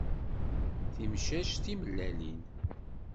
Timcac timellalin.